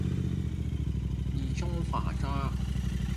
日式炸豬扒